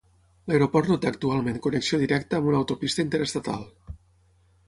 L'aeroport no té actualment connexió directa amb una autopista interestatal.